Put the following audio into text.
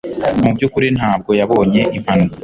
Mu byukuri ntabwo yabonye impanuka